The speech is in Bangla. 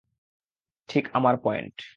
ঠিক আমার পয়েন্ট!